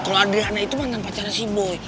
kalo adriana itu mantan pacarnya si boy